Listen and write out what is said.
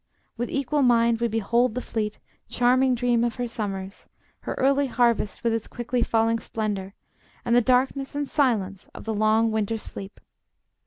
With equal mind we behold the fleet, charming dream of her summers, her early harvest with its quickly falling splendor, and the darkness and silence of the long winter's sleep.